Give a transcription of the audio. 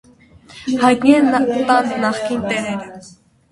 Հայտնի են տան նախկին տերերը։